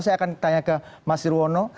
saya akan tanya ke mas sirwono